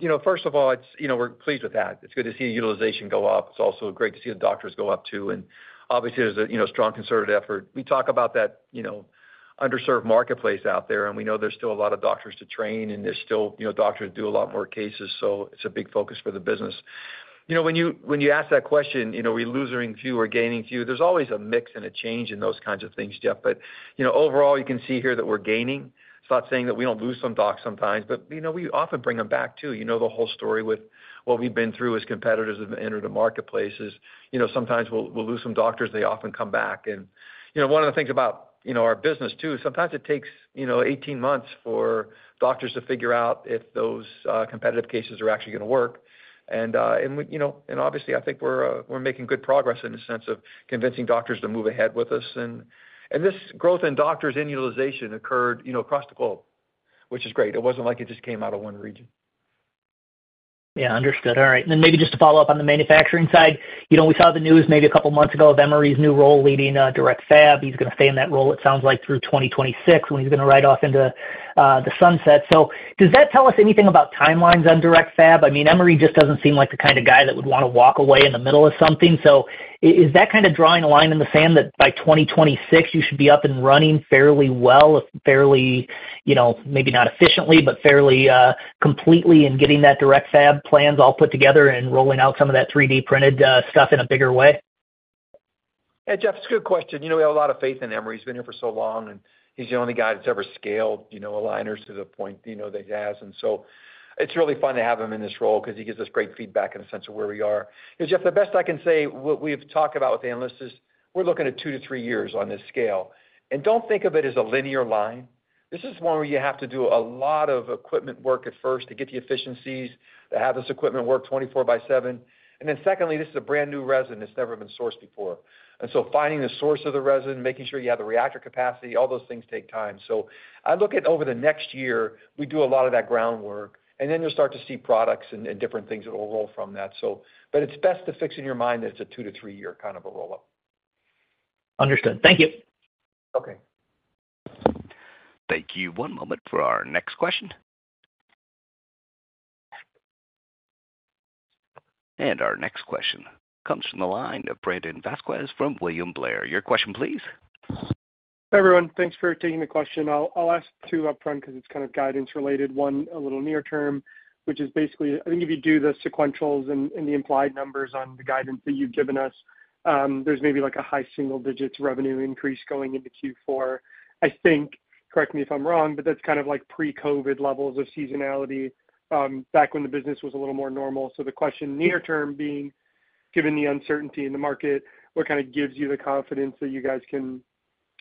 you know, first of all, it's. You know, we're pleased with that. It's good to see the utilization go up. It's also great to see the doctors go up, too. Obviously, there's you know strong concerted effort. We talk about that, you know, underserved marketplace out there, and we know there's still a lot of doctors to train, and there's still, you know, doctors do a lot more cases, so it's a big focus for the business. You know, when you ask that question, you know, are we losing few or gaining few? There's always a mix and a change in those kinds of things, Jeff. You know, overall, you can see here that we're gaining. It's not saying that we don't lose some docs sometimes, but, you know, we often bring them back, too. You know, the whole story with what we've been through as competitors have entered the marketplace is, you know, sometimes we'll lose some doctors; they often come back. And, you know, one of the things about, you know, our business, too, sometimes it takes, you know, 18 months for doctors to figure out if those competitive cases are actually going to work. And you know, and obviously I think we're making good progress in the sense of convincing doctors to move ahead with us. And this growth in doctors and utilization occurred, you know, across the globe, which is great. It wasn't like it just came out of one region. Yeah, understood. All right. Then maybe just to follow-up on the manufacturing side. You know, we saw the news maybe a couple of months ago of Emory's new role leading Direct Fab. He's going to stay in that role, it sounds like, through 2026, when he's going to ride off into the sunset. So does that tell us anything about timelines on Direct Fab? I mean, Emory just doesn't seem like the kind of guy that would want to walk away in the middle of something. So is that kind of drawing a line in the sand that by 2026, you should be up and running fairly well, fairly, you know, maybe not efficiently, but fairly completely in getting that Direct Fab plans all put together and rolling out some of that 3D printed stuff in a bigger way? Hey, Jeff, it's a good question. You know, we have a lot of faith in Emory. He's been here for so long, and he's the only guy that's ever scaled, you know, aligners to the point, you know, that he has. And so it's really fun to have him in this role because he gives us great feedback in the sense of where we are. You know, Jeff, the best I can say, what we've talked about with analysts is we're looking at two to three years on this scale. And don't think of it as a linear line. This is one where you have to do a lot of equipment work at first to get the efficiencies, to have this equipment work 24/7. And then secondly, this is a brand-new resin that's never been sourced before. And so finding the source of the resin, making sure you have the reactor capacity, all those things take time. So I look at over the next year, we do a lot of that groundwork, and then you'll start to see products and different things that will roll from that. So, but it's best to fix in your mind that it's a two to three year kind of a rollout. Understood. Thank you. Okay. Thank you. One moment for our next question. Our next question comes from the line of Brandon Vazquez from William Blair. Your question, please. Hi, everyone. Thanks for taking the question. I'll, I'll ask two upfront because it's kind of guidance related, one, a little near term, which is basically, I think if you do the sequentials and, and the implied numbers on the guidance that you've given us, there's maybe like a high single digits revenue increase going into Q4. I think, correct me if I'm wrong, but that's kind of like pre-COVID levels of seasonality, back when the business was a little more normal. So the question near term being: given the uncertainty in the market, what kind of gives you the confidence that you guys can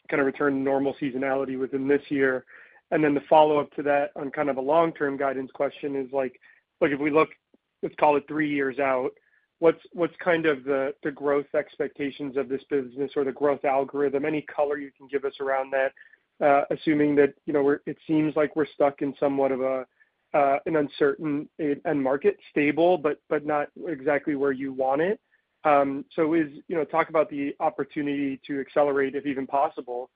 kind of return to normal seasonality within this year? And then the follow-up to that on kind of a long-term guidance question is like, look, if we look, let's call it three years out, what's kind of the growth expectations of this business or the growth algorithm? Any color you can give us around that, assuming that, you know, we're stuck in somewhat of an uncertain end market, stable, but not exactly where you want it. So, you know, talk about the opportunity to accelerate, if even possible,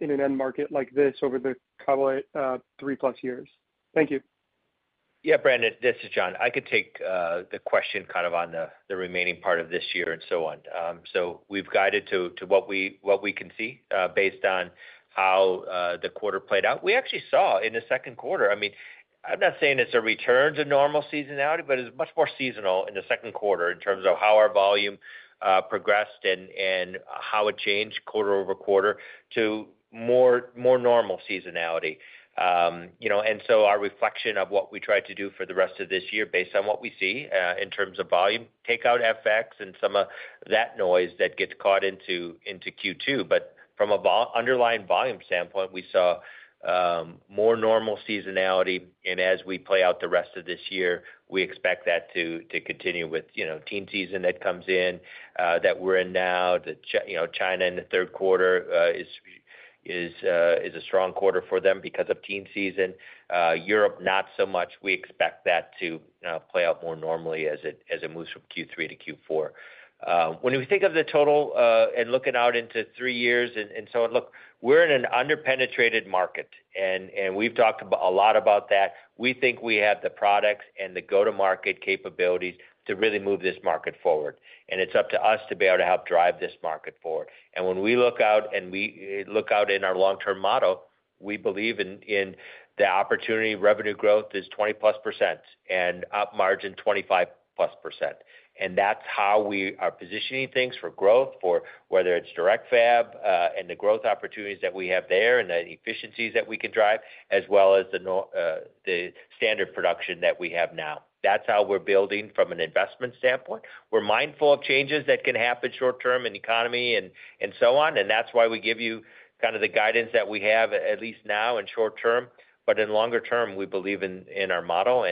in an end market like this over the couple, three-plus years. Thank you. Yeah, Brandon, this is John. I could take the question kind of on the remaining part of this year and so on. So we've guided to what we can see based on how the quarter played out. We actually saw in the second quarter, I mean, I'm not saying it's a return to normal seasonality, but it's much more seasonal in the second quarter in terms of how our volume progressed and how it changed quarter-over-quarter to more normal seasonality. You know, and so our reflection of what we try to do for the rest of this year, based on what we see in terms of volume, take out FX and some of that noise that gets caught into Q2. But from an underlying volume standpoint, we saw more normal seasonality. As we play out the rest of this year,... we expect that to continue with, you know, teen season that comes in, that we're in now. The, you know, China in the third quarter is a strong quarter for them because of teen season. Europe, not so much. We expect that to play out more normally as it moves from Q3 to Q4. When we think of the total, and looking out into three years, and so look, we're in an under-penetrated market, and we've talked a lot about that. We think we have the products and the go-to-market capabilities to really move this market forward, and it's up to us to be able to help drive this market forward. When we look out in our long-term model, we believe in the opportunity. Revenue growth is 20%+ and op margin, 25%+. And that's how we are positioning things for growth, for whether it's Direct Fab and the growth opportunities that we have there and the efficiencies that we can drive, as well as the standard production that we have now. That's how we're building from an investment standpoint. We're mindful of changes that can happen short term in the economy and so on, and that's why we give you kind of the guidance that we have, at least now in short term. But in longer term, we believe in our model,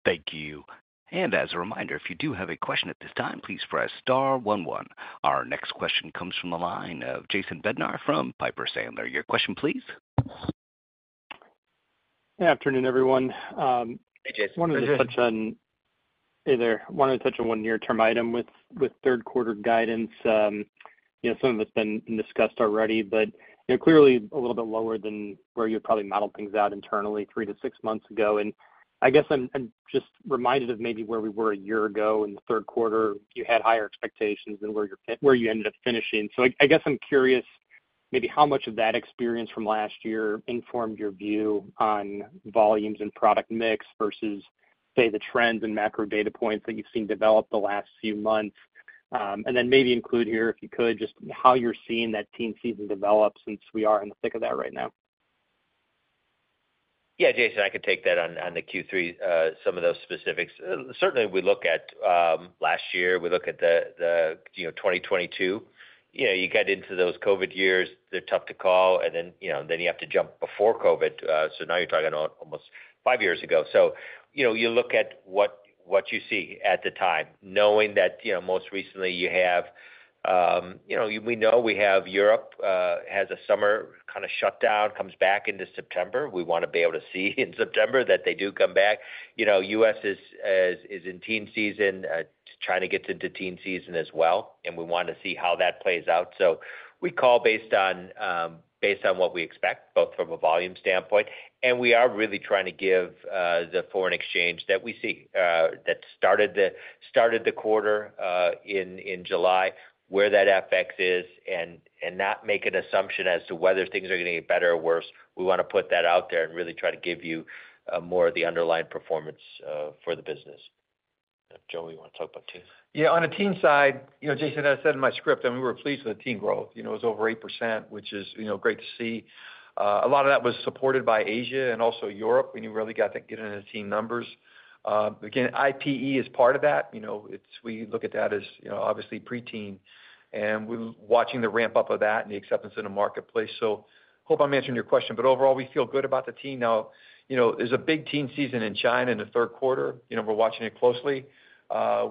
and that's how we're investing in the future. Thank you. As a reminder, if you do have a question at this time, please press star one one. Our next question comes from the line of Jason Bednar from Piper Sandler. Your question, please. Hey, afternoon, everyone. Hey, Jason. Hey there. Wanted to touch on one near-term item with third quarter guidance. You know, some of it's been discussed already, but, you know, clearly a little bit lower than where you probably modeled things out internally three to six months ago. And I guess I'm just reminded of maybe where we were a year ago in the third quarter. You had higher expectations than where you ended up finishing. So I guess I'm curious, maybe how much of that experience from last year informed your view on volumes and product mix versus, say, the trends and macro data points that you've seen develop the last few months? And then maybe include here, if you could, just how you're seeing that teen season develop since we are in the thick of that right now. Yeah, Jason, I could take that on, on the Q3, some of those specifics. Certainly, we look at last year, we look at the, you know, 2022. You know, you get into those COVID years, they're tough to call, and then, you know, then you have to jump before COVID, so now you're talking about almost five years ago. So, you know, you look at what you see at the time, knowing that, you know, most recently you have, you know, we know we have Europe has a summer kind of shutdown, comes back into September. We want to be able to see in September that they do come back. You know, U.S. is in teen season, China gets into teen season as well, and we want to see how that plays out. So we call based on what we expect, both from a volume standpoint, and we are really trying to give the foreign exchange that we see that started the quarter in July, where that FX is, and not make an assumption as to whether things are going to get better or worse. We want to put that out there and really try to give you more of the underlying performance for the business. Joe, you want to talk about teen? Yeah, on the teen side, you know, Jason, as I said in my script, and we were pleased with the teen growth. You know, it was over 8%, which is, you know, great to see. A lot of that was supported by Asia and also Europe, when you really got to get into the teen numbers. Again, IPE is part of that. You know, it's, we look at that as, you know, obviously pre-teen, and we're watching the ramp-up of that and the acceptance in the marketplace. So hope I'm answering your question, but overall, we feel good about the teen. Now, you know, there's a big teen season in China in the third quarter. You know, we're watching it closely.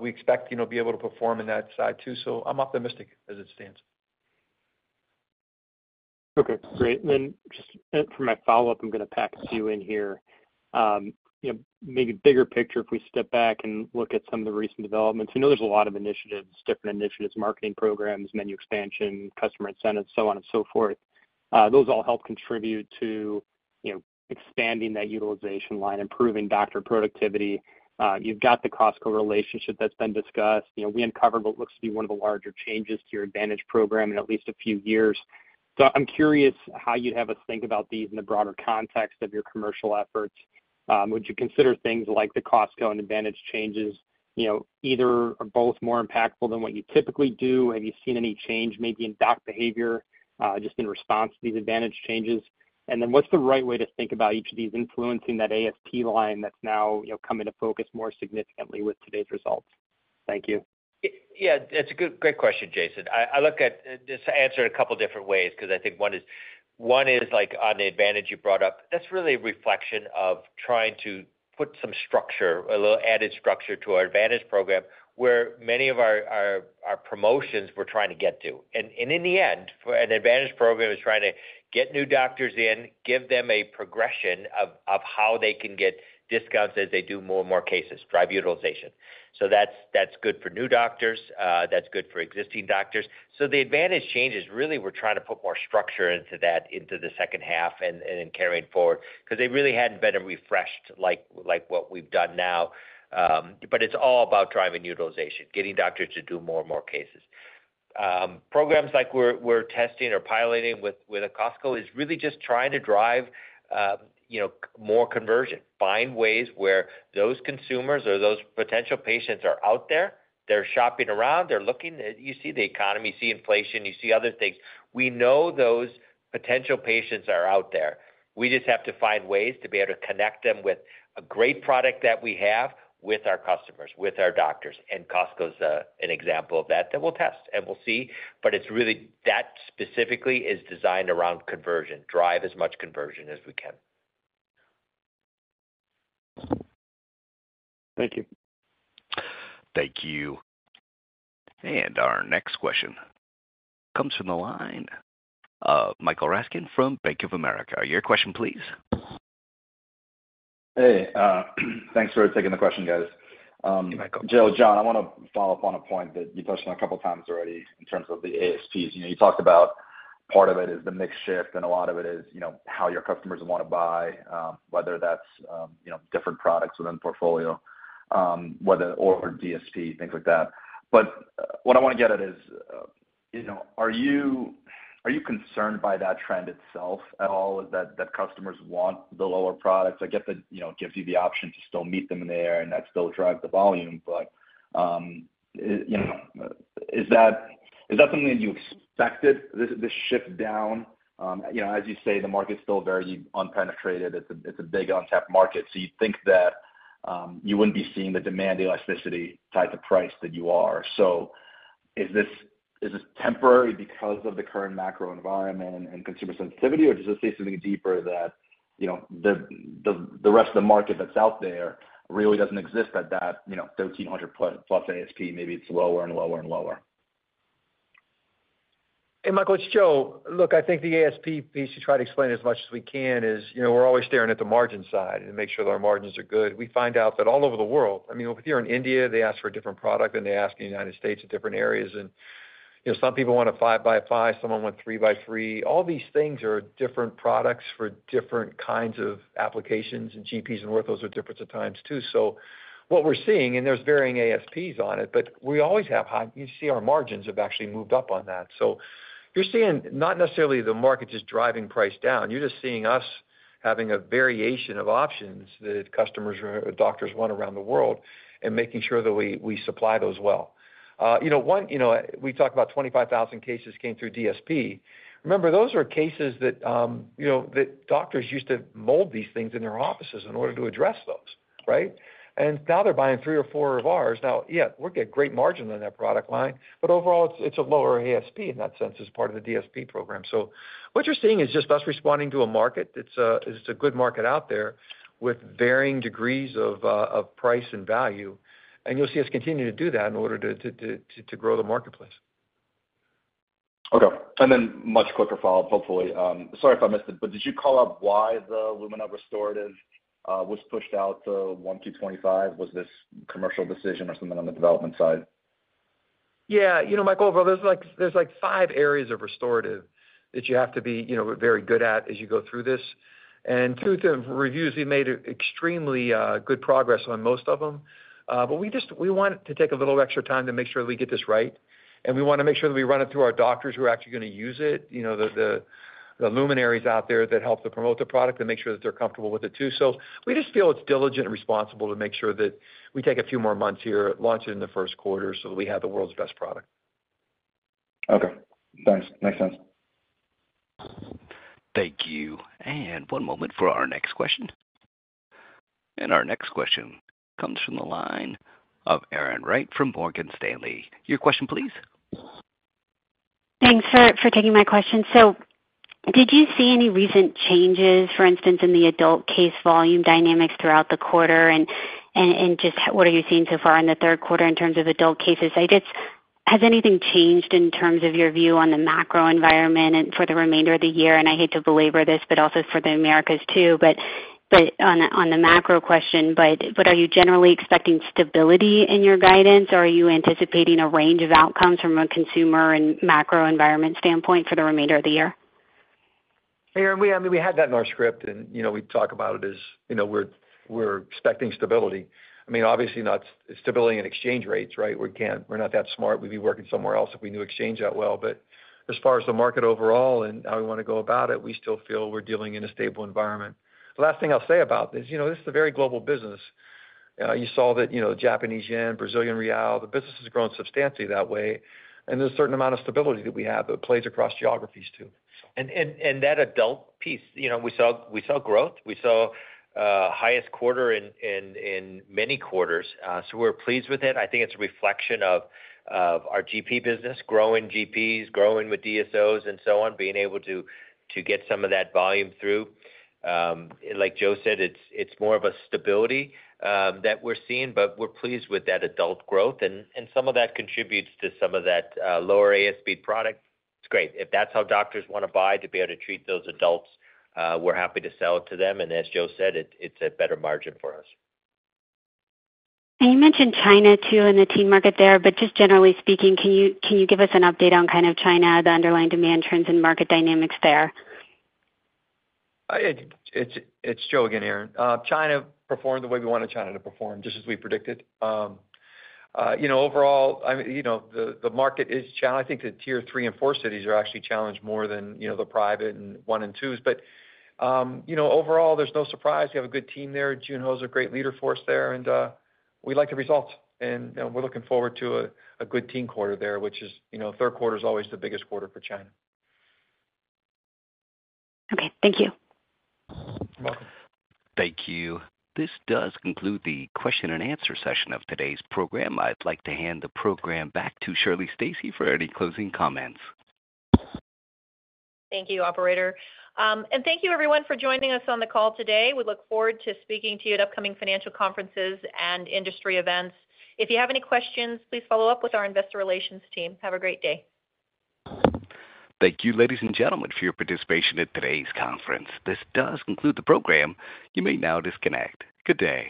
We expect, you know, to be able to perform in that side, too, so I'm optimistic as it stands. Okay, great. Then just for my follow-up, I'm gonna pack a few in here. You know, maybe bigger picture, if we step back and look at some of the recent developments. I know there's a lot of initiatives, different initiatives, marketing programs, menu expansion, customer incentives, so on and so forth. Those all help contribute to, you know, expanding that utilization line, improving doctor productivity. You've got the Costco relationship that's been discussed. You know, we uncovered what looks to be one of the larger changes to your Advantage program in at least a few years. So I'm curious how you'd have us think about these in the broader context of your commercial efforts. Would you consider things like the Costco and Advantage changes, you know, either or both more impactful than what you typically do? Have you seen any change maybe in doc behavior, just in response to these Advantage changes? And then what's the right way to think about each of these influencing that ASP line that's now, you know, coming to focus more significantly with today's results? Thank you. Yeah, that's a good, great question, Jason. I look at... Just to answer it a couple different ways, because I think one is, like, on the Advantage you brought up. That's really a reflection of trying to put some structure, a little added structure to our Advantage program, where many of our promotions we're trying to get to. And in the end, for an Advantage program is trying to get new doctors in, give them a progression of how they can get discounts as they do more and more cases, drive utilization. So that's good for new doctors, that's good for existing doctors. So the Advantage changes, really, we're trying to put more structure into that, into the second half and carrying forward, because they really hadn't been refreshed like what we've done now. But it's all about driving utilization, getting doctors to do more and more cases. Programs like we're testing or piloting with Costco is really just trying to drive, you know, more conversion. Find ways where those consumers or those potential patients are out there, they're shopping around, they're looking. You see the economy, you see inflation, you see other things. We know those potential patients are out there. We just have to find ways to be able to connect them with a great product that we have with our customers, with our doctors, and Costco is an example of that that we'll test, and we'll see. But it's really, that specifically is designed around conversion, drive as much conversion as we can. Thank you. Thank you. Our next question comes from the line of Michael Ryskin from Bank of America. Your question, please. Hey, thanks for taking the question, guys. Joe, John, I want to follow-up on a point that you touched on a couple of times already in terms of the ASPs. You know, you talked about part of it is the mix shift, and a lot of it is, you know, how your customers want to buy, whether that's, you know, different products within the portfolio, whether our DSP, things like that. But what I want to get at is, you know, are you concerned by that trend itself at all, is that customers want the lower products? I get that, you know, it gives you the option to still meet them in the air, and that still drives the volume. But, you know, is that something that you expected, this shift down? You know, as you say, the market is still very unpenetrated. It's a big untapped market, so you'd think that you wouldn't be seeing the demand elasticity type of price that you are. So is this temporary because of the current macro environment and consumer sensitivity, or does it say something deeper that, you know, the rest of the market that's out there really doesn't exist at that $1,300+ ASP, maybe it's lower and lower and lower? Hey, Michael, it's Joe. Look, I think the ASP piece, to try to explain as much as we can, is, you know, we're always staring at the margin side and make sure that our margins are good. We find out that all over the world, I mean, if you're in India, they ask for a different product than they ask in the United States at different areas. And, you know, some people want a 5x5, someone want 3x3. All these things are different products for different kinds of applications, and GPs and orthos are different at times, too. So what we're seeing, and there's varying ASPs on it, but we always have high... You see our margins have actually moved up on that. So you're seeing not necessarily the market just driving price down. You're just seeing us having a variation of options that customers or doctors want around the world and making sure that we supply those well. You know, we talked about 25,000 cases came through DSP. Remember, those are cases that, you know, that doctors used to mold these things in their offices in order to address those, right? And now they're buying three or four of ours. Now, yeah, we're getting great margin on that product line, but overall, it's a lower ASP in that sense, as part of the DSP program. So what you're seeing is just us responding to a market. It's a good market out there with varying degrees of price and value, and you'll see us continue to do that in order to grow the marketplace. Okay, and then much quicker follow-up, hopefully. Sorry if I missed it, but did you call out why the Lumina restorative was pushed out to Q1 2025? Was this commercial decision or something on the development side? Yeah, you know, Michael, well, there's like, there's like five areas of restorative that you have to be, you know, very good at as you go through this. And to tell the truth, we've made extremely good progress on most of them. But we just, we want to take a little extra time to make sure that we get this right, and we want to make sure that we run it through our doctors who are actually going to use it. You know, the luminaries out there that help to promote the product and make sure that they're comfortable with it, too. So we just feel it's diligent and responsible to make sure that we take a few more months here, launch it in the first quarter so that we have the world's best product. Okay, thanks. Makes sense. Thank you. One moment for our next question. Our next question comes from the line of Erin Wright from Morgan Stanley. Your question, please. Thanks for taking my question. So did you see any recent changes, for instance, in the adult case volume dynamics throughout the quarter? And just what are you seeing so far in the third quarter in terms of adult cases? I just— Has anything changed in terms of your view on the macro environment and for the remainder of the year? And I hate to belabor this, but also for the Americas, too. But on the macro question, are you generally expecting stability in your guidance, or are you anticipating a range of outcomes from a consumer and macro environment standpoint for the remainder of the year? Erin, we—I mean, we had that in our script, and, you know, we talk about it as, you know, we're, we're expecting stability. I mean, obviously, not stability in exchange rates, right? We can't—we're not that smart. We'd be working somewhere else if we knew exchange that well. But as far as the market overall and how we want to go about it, we still feel we're dealing in a stable environment. The last thing I'll say about this, you know, this is a very global business. You saw that, you know, Japanese yen, Brazilian real, the business has grown substantially that way, and there's a certain amount of stability that we have that plays across geographies, too. That adult piece, you know, we saw growth. We saw highest quarter in many quarters, so we're pleased with it. I think it's a reflection of our GP business, growing GPs, growing with DSOs and so on, being able to get some of that volume through. Like Joe said, it's more of a stability that we're seeing, but we're pleased with that adult growth, and some of that contributes to some of that lower ASP product. It's great. If that's how doctors want to buy to be able to treat those adults, we're happy to sell it to them. And as Joe said, it's a better margin for us. You mentioned China, too, and the teen market there, but just generally speaking, can you give us an update on kind of China, the underlying demand trends and market dynamics there? It's Joe again, Erin. China performed the way we wanted China to perform, just as we predicted. You know, overall, I mean, you know, the market is challenged. I think the Tier 3 and 4 cities are actually challenged more than, you know, the private and 1 and 2s. But, you know, overall, there's no surprise. We have a good team there. Joon Hock is a great leader for us there, and, we like the results, and, you know, we're looking forward to a good team quarter there, which is, you know, third quarter is always the biggest quarter for China. Okay. Thank you. You're welcome. Thank you. This does conclude the question and answer session of today's program. I'd like to hand the program back to Shirley Stacy for any closing comments. Thank you, operator. Thank you everyone for joining us on the call today. We look forward to speaking to you at upcoming financial conferences and industry events. If you have any questions, please follow-up with our investor relations team. Have a great day. Thank you, ladies and gentlemen, for your participation in today's conference. This does conclude the program. You may now disconnect. Good day.